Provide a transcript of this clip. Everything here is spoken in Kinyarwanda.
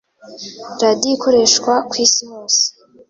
Radiyo ikoreshwa kw'isi hose